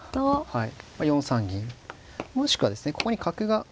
はい。